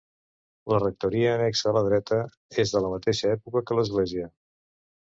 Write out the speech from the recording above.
La rectoria annexa a la dreta és de la mateixa època que l'església.